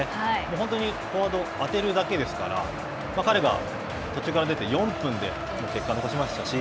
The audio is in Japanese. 本当にフォワードは当てるだけですから、彼が途中から出て、４分で結果を残しましたし。